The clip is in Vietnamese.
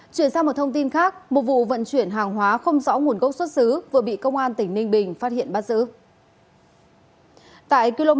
chuyển sang một thông tin khác một vụ vận chuyển hàng hóa không rõ nguồn gốc xuất xứ vừa bị công an tỉnh ninh bình phát hiện bắt giữ